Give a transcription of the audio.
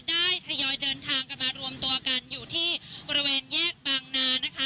ทยอยเดินทางกันมารวมตัวกันอยู่ที่บริเวณแยกบางนานะคะ